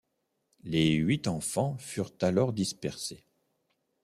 Les huit enfants furent alors dispersés.